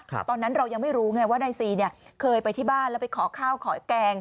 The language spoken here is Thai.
ตอนนั้นเรายังไม่รู้ไงว่านายซีเนี่ยเคยไปที่บ้านแล้วไปขอข้าวขอแกง